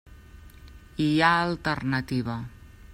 Hi ha alternativa.